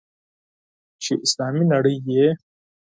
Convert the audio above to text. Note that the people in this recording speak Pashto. چې اسلامي نړۍ یې.